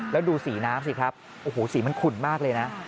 แล้วดูสีน้ำสิครับโอ้โหสีมันขุ่นมากเลยนะ